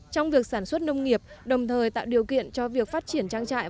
trong việc sản xuất nông nghiệp đồng thời tạo điều kiện cho việc phát triển trang trại